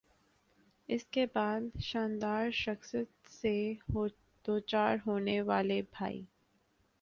اس کے بعد "شاندار"شکست سے دوچار ہونے والے بھائی